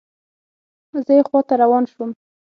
زه یې خواته روان شوم.